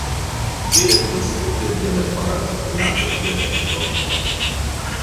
Ĝi estas sude de la Baraĵlago de Ebro.